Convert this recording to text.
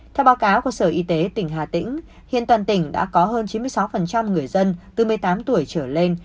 theo báo cáo của sở y tế tỉnh hà tĩnh hiện toàn tỉnh đã có hơn chín mươi sáu người dân từ một mươi tám tuổi trở lên